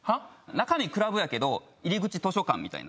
中身クラブやけど入り口図書館みたいな。